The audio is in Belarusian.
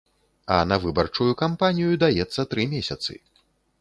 А на выбарчую кампанію даецца тры месяцы.